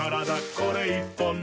これ１本で」